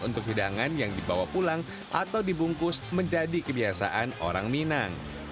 untuk hidangan yang dibawa pulang atau dibungkus menjadi kebiasaan orang minang